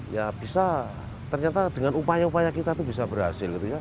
ya bisa ternyata dengan upaya upaya kita itu bisa berhasil gitu ya